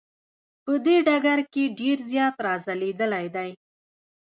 په دې ډګر کې ډیر زیات را ځلیدلی دی.